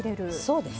そうです。